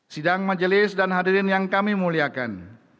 sidang majelis dan hadirin yang kami muliakan